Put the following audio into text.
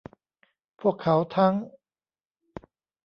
พวกเขาทั้ง